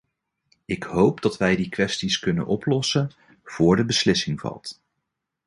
Ik hoop dat wij die kwesties kunnen oplossen voor de beslissing valt.